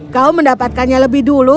kau mendapatkannya lebih dulu